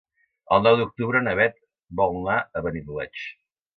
El nou d'octubre na Bet vol anar a Benidoleig.